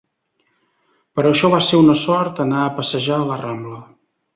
Per això va ser una sort anar a passejar a la Rambla.